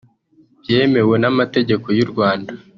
byemewe n’amategeko y’u Rwanda